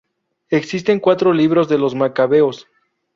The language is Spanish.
Existen cuatro libros de los Macabeos.